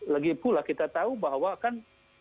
lagipula kita tahu bahwa kan